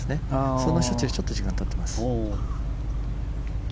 その処置にちょっと時間がたってます。